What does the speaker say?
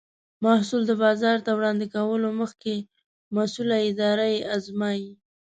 محصول د بازار ته وړاندې کولو مخکې مسؤله اداره یې ازمایي.